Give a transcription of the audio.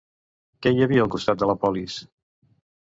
Què hi havia al costat de la polis?